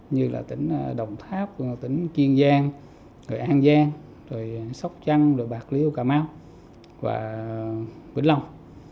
như là tỉnh đồng tháp tỉnh kiên giang an giang sóc trăng bạc liêu cà mau và vĩnh long